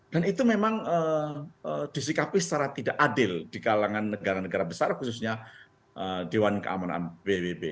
dan itu memang disikapi secara tidak adil di kalangan negara negara besar khususnya dewan keamanan pbb